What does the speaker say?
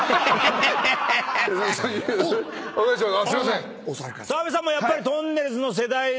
お願いしまーす！